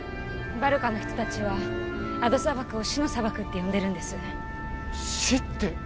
バルカの人達はアド砂漠を「死の砂漠」って呼んでるんです死って？